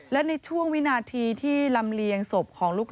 และในช่วงวินาทีที่ลำเลียงศพของลูก